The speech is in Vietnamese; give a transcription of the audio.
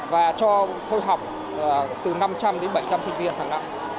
và cho thôi học từ năm trăm linh đến bảy trăm linh sinh viên hàng năm